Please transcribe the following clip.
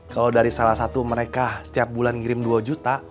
kalau dari salah satu mereka setiap bulan ngirim dua juta